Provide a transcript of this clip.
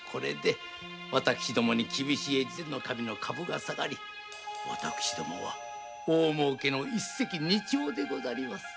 私どもに厳しい大岡様の株が下がり私どもは大もうけの一石二鳥でございます。